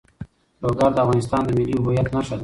لوگر د افغانستان د ملي هویت نښه ده.